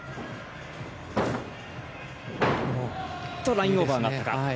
ラインオーバーになったか。